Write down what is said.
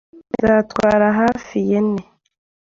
Bizatwara hafi yen .